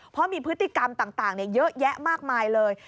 เพราะมีพฤติกรรมต่างเยอะแยะมากมายเลย